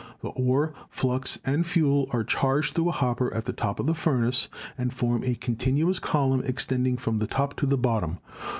The ore, flux and fuel are charged through a hopper at the top of the furnace and form a continuous column extend ing from the top to the bottom.